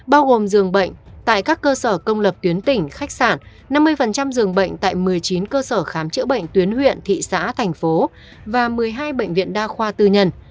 bao gồm dường bệnh tại các cơ sở công lập tuyến tỉnh khách sạn năm mươi giường bệnh tại một mươi chín cơ sở khám chữa bệnh tuyến huyện thị xã thành phố và một mươi hai bệnh viện đa khoa tư nhân